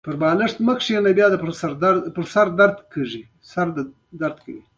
د هغه د غزل تکنيک هم د تغزل هغه نزاکت لرلو